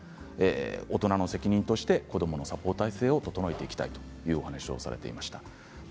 大人の責任として子どものサポート体制を整えていきたいという話をされていました。